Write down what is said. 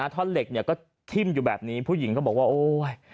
ท่อนเหล็กเนี่ยก็ทิ้มอยู่แบบนี้ผู้หญิงก็บอกว่าโอ๊ย